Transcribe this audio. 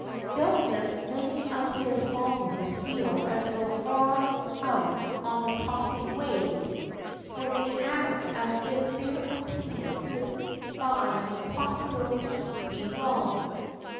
Doubtless many of his followers feel as though far out on the tossing waves; for they act as if their opinion could by no possibility be wrong.